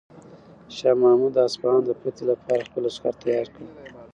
شاه محمود د اصفهان د فتح لپاره خپل لښکر تیار کړ.